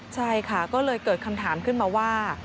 ใช่ค่ะก็เลยเกิดคำถามขึ้นมาว่า